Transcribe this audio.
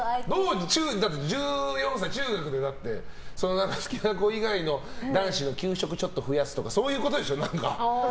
１４歳、中学で好きな子の男子の給食ちょっと増やすとかそういうことでしょ？